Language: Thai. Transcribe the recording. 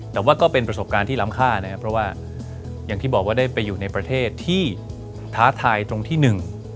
แต่ว่าก็เป็นประสบการณ์ที่ล้ำค่านะครับเพราะว่าอย่างที่บอกว่าได้ไปอยู่ในประเทศที่ท้าทายตรงที่หนึ่ง